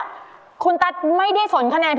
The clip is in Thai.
ช่วยฝังดินหรือกว่า